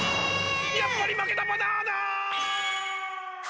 やっぱりまけたバナナ！